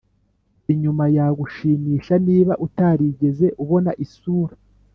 inyuma yagushimisha niba utarigeze ubona isura.